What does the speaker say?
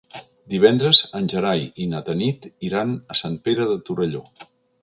Divendres en Gerai i na Tanit iran a Sant Pere de Torelló.